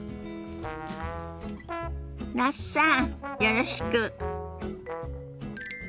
那須さんよろしく。